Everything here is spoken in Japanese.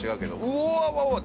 うわわわっ！